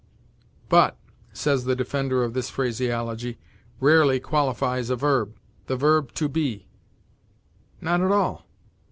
"But," says the defender of this phraseology, "rarely qualifies a verb the verb to be." Not at all.